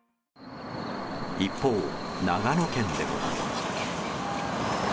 一方、長野県でも。